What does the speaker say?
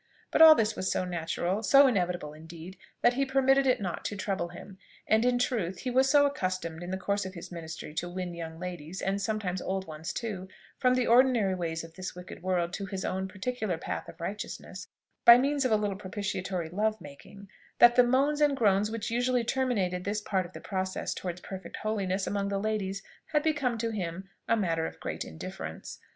But all this was so natural, so inevitable indeed, that he permitted it not to trouble him: and, in truth, he was so accustomed in the course of his ministry to win young ladies, and sometimes old ones too, from the ordinary ways of this wicked world, to his own particular path of righteousness, by means of a little propitiatory love making, that the moans and groans which usually terminated this part of the process towards perfect holiness among the ladies had become to him a matter of great indifference.